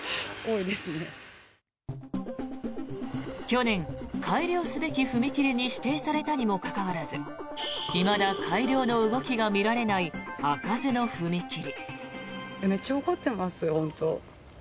去年、改良すべき踏切に指定されたにもかかわらずいまだ改良の動きがみられない開かずの踏切。